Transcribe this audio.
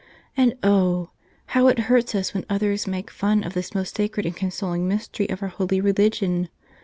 And oh ! how it hurts us when others make fun of this most sacred and consoling mystery of our holy religion